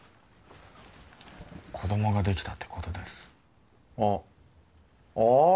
子供ができたってことですあッああ